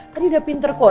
tadi udah pinter kok